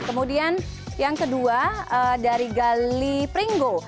kemudian yang kedua dari gali pringgo